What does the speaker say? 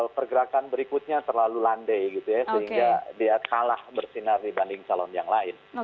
pergerakan berikutnya terlalu landai gitu ya sehingga dia kalah bersinar dibanding calon yang lain